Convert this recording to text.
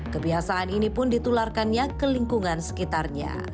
kebiasaan ini pun ditularkannya ke lingkungan sekitarnya